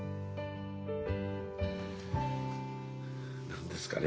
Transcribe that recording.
何ですかね